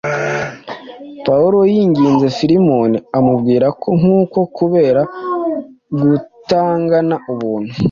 Pawulo yinginze Filemoni amubwira ko nk’uko kubera gutangana Ubuntu